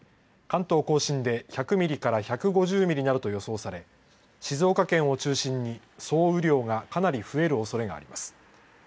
関東甲信で１００ミリから１５０ミリなどと予想され、静岡県を中心に総雨量がかなり増えるおそれがあります。